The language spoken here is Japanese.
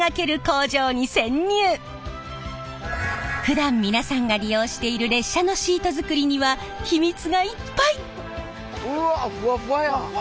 ふだん皆さんが利用している列車のシート作りにはヒミツがいっぱい！